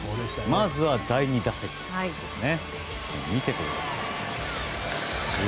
まずは第２打席です。